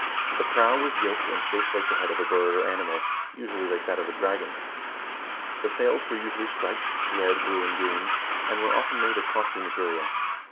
The prow was gilt and shaped like the head of a bird or animal ; usually like that of a dragon. The sails were usually striped, red, blue, and green, and were often made of costly material.